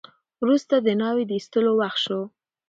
وروسته د ناوې د ایستلو وخت شو.